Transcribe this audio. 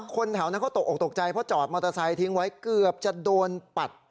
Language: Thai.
คนแถวนั้นเขาตกออกตกใจเพราะจอดมอเตอร์ไซค์ทิ้งไว้เกือบจะโดนปัด